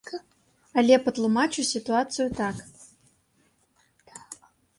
Але патлумачу сітуацыю так.